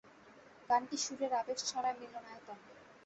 গানটি সুরের আবেশ ছড়ায় মিলনায়তনে।